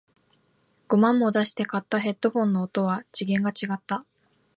五万も出して買ったヘッドフォンの音は次元が違った